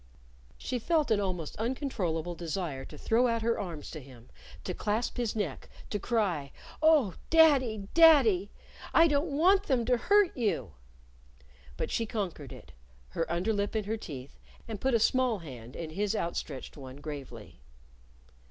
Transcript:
She felt an almost uncontrollable desire to throw out her arms to him, to clasp his neck, to cry, "Oh, daddy! daddy! I don't want them to hurt you!" But she conquered it, her underlip in her teeth, and put a small hand in his outstretched one gravely.